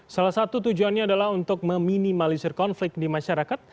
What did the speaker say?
salah satu tujuannya adalah untuk meminimalisir konflik di masyarakat